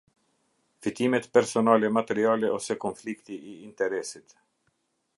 Fitimet personale materiale ose konflikti i interesit.